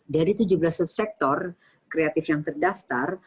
dari tujuh belas subsektor kreatif yang terdaftar